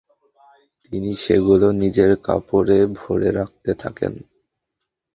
তিনি সেগুলো নিজের কাপড়ে ভরে রাখতে থাকেন।